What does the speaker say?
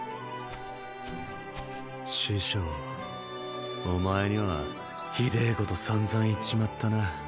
師匠お前にはひでぇことさんざん言っちまったな。